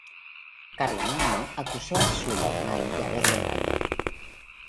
Carlomagno acusó a Sulayman de haberlo engañado.